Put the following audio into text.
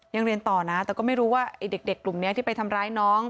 เรียนต่อนะแต่ก็ไม่รู้ว่าไอ้เด็กกลุ่มนี้ที่ไปทำร้ายน้อง